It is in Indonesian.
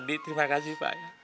terima kasih pak